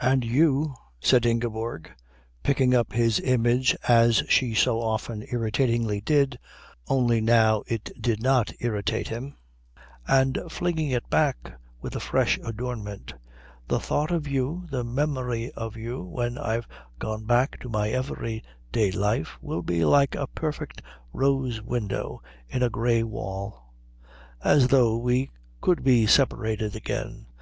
"And you," said Ingeborg, picking up his image as she so often irritatingly did, only now it did not irritate him, and flinging it back with a fresh adornment, "the thought of you, the memory of you when I've gone back to my everyday life, will be like a perfect rose window in a grey wall." "As though we could be separated again.